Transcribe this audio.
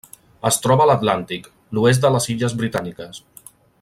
Es troba a l'Atlàntic: l'oest de les illes Britàniques.